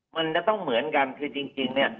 มันจะต้องเหมือนกันคือจริงเนี่ย